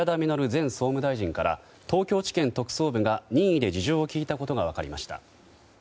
前総務大臣から東京地検特捜部が任意で事情を聴いたことが分かりました。